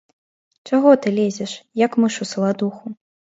Чаго ты лезеш, як мыш у саладуху?